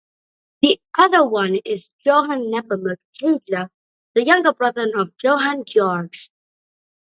The other one is Johann Nepomuk Hiedler, the younger brother of Johann Georg.